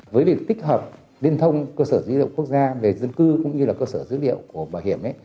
với việc tích hợp liên thông cơ sở dữ liệu quốc gia về dân cư cũng như là cơ sở dữ liệu của bảo hiểm